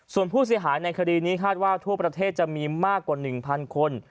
ส่วนผู้เสียหายในคดีนี้คาดว่าทั่วประเทศจะมีมากกว่า๑๐๐คน